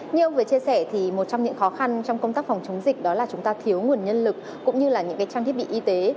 như ông vừa chia sẻ thì một trong những khó khăn trong công tác phòng chống dịch đó là chúng ta thiếu nguồn nhân lực cũng như là những trang thiết bị y tế